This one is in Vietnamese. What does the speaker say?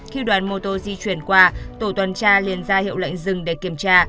khi đoàn mô tô di chuyển qua tổ tuần tra liên ra hiệu lệnh dừng để kiểm tra